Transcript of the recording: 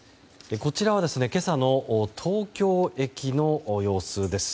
こちらは今朝の東京駅の様子です。